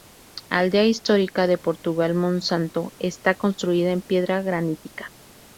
Aldea histórica de Portugal, Monsanto está construida en piedra granítica.